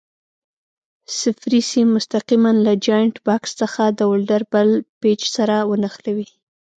صفري سیم مستقیماً له جاینټ بکس څخه د ولډر بل پېچ سره ونښلوئ.